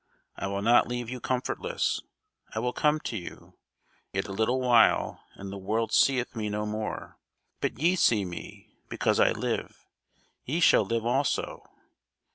I will not leave you comfortless: I will come to you. Yet a little while, and the world seeth me no more; but ye see me: because I live, ye shall live also.